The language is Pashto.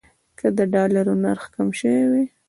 که د ډالر نرخ کم شوی وي.